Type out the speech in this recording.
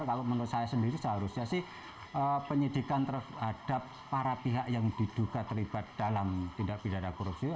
kalau menurut saya sendiri seharusnya sih penyidikan terhadap para pihak yang diduga terlibat dalam tindak pidana korupsi